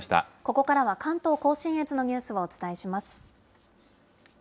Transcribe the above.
ここからは関東甲信越のニュースをお伝えします。